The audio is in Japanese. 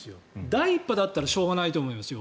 第１波だったらしょうがないと思いますよ。